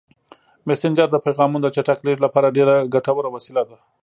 مسېنجر د پیغامونو د چټک لیږد لپاره ډېره ګټوره وسیله ده.